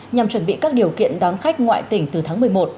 nhằm chuẩn bị các điều kiện đón khách ngoại tỉnh từ tháng một mươi một